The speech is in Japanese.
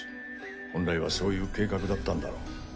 本来はそういう計画だったんだろう。